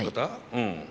うん。